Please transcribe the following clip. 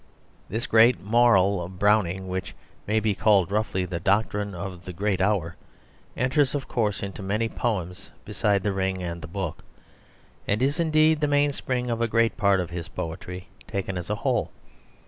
This great moral of Browning, which may be called roughly the doctrine of the great hour, enters, of course, into many poems besides The Ring and the Book, and is indeed the mainspring of a great part of his poetry taken as a whole.